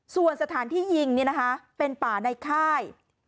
ส่วนสถานที่ยิงเนี่ยนะคะเป็นป่าในค่าย